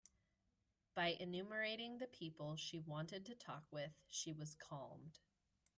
By enumerating the people she wanted to talk with, she was calmed.